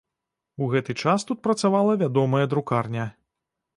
У гэты час тут працавала вядомая друкарня.